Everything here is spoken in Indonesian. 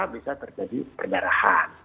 bisa terjadi pendarahan